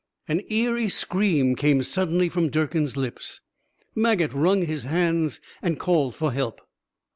An eery scream came suddenly from Durkin's lips; Maget wrung his hands and called for help.